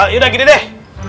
yuk dah gini deh